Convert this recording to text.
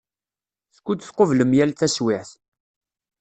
Skud tqublem yal taswiɛt.